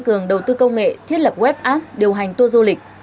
công ty lữ hành đầu tư công nghệ thiết lập web app điều hành tour du lịch